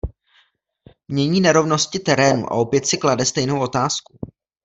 Mění nerovnosti terénu a opět si klade stejnou otázku.